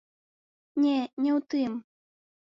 Не, не ў тым.